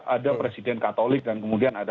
ada presiden katolik dan kemudian ada